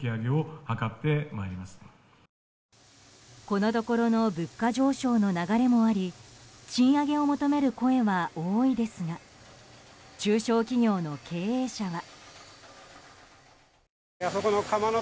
このところの物価上昇の流れもあり賃上げを求める声は多いですが中小企業の経営者は。